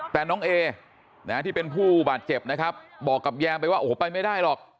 แต่น้องเอที่เป็นผู้บาดเจ็บนะครับบอกกับแยมไปว่าโอ้โหไปไม่ได้หรอก